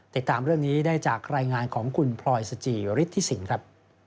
ติดตามเรื่องนี้ได้จากรายงานของคุณพลอยสจิฤทธิสินครับ